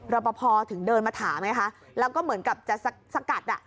รอปภถึงเดินมาถามไงคะแล้วก็เหมือนกับจะสกัดอ่ะ